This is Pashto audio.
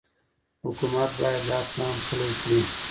حکومت باید دا پلان پلي کړي.